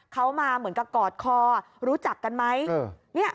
เขามาเหมือนกับกอดคอรู้จักกันไหม